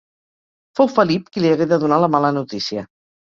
Fou Felip qui li hagué de donar la mala notícia.